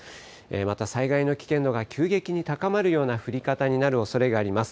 また災害の危険度が急激に高まるような降り方になるおそれがあります。